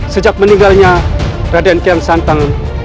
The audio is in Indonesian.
sejak meninggalnya raden kiang santang